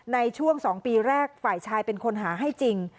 ในช่วง๒ปีแรกฝ่ายชายเป็นคนหาให้จริง